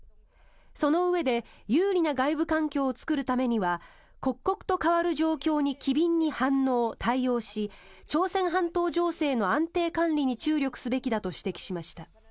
そのうえで有利な外部環境を作るためには刻々と変わる状況に機敏に反応・対応し朝鮮半島情勢の安定管理に注力すべきだと指摘しました。